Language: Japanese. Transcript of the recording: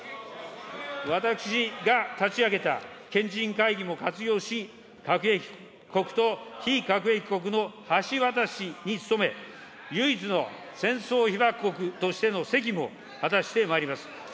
私が立ち上げた賢人会議も活用し、核兵器国と非核兵器国の橋渡しに努め、唯一の戦争被爆国としての責務を果たしてまいります。